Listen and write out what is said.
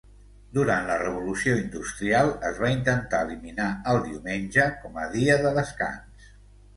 Durant la Revolució industrial es va intentar eliminar el diumenge com a dia de descans.